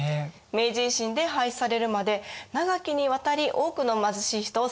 明治維新で廃止されるまで長きにわたり多くの貧しい人を救ったんですよ。